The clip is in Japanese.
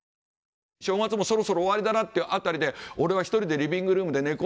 正月もそろそろ終わりだなっていう辺りで俺は一人でリビングルームで寝転んで本読んでた。